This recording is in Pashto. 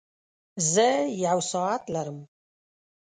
زۀ يو ساعت لرم.